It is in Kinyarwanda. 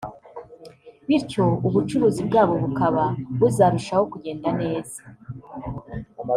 bityo ubucuruzi bwabo bukaba buzarushaho kugenda neza